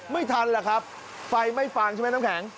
ไม่ทันหรอกครับไฟไม่ฟางใช่ไหมน้ำแข็ง